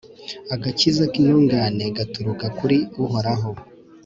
agakiza k'intungane gaturuka kuri uhoraho